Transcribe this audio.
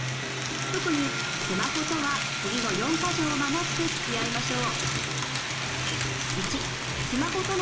特にスマホとは次の四か条を守ってつきあいましょう。